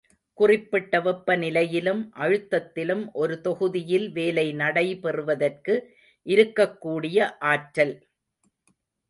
குறிப்பிட்ட வெப்ப நிலையிலும் அழுத்தத்திலும் ஒரு தொகுதியில் வேலை நடைபெறுவதற்கு இருக்கக்கூடிய ஆற்றல்.